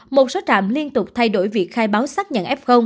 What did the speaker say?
một số trạm liên tục thay đổi việc khai báo xác nhận f